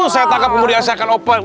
saya tangkap pemudiasaikan operan